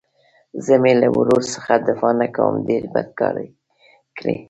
زه مې له ورور څخه دفاع نه کوم ډېر بد کار يې کړى.